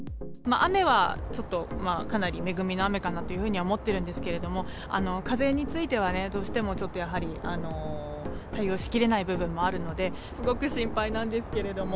雨はちょっとまあ、かなり恵みの雨かなというふうには思っているんですけれども、風についてはどうしてもちょっとやはり、対応しきれない部分もあるので、すごく心配なんですけれども。